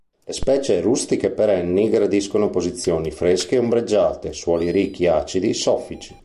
Le specie rustiche perenni gradiscono posizioni fresche e ombreggiate, suoli ricchi, acidi, soffici.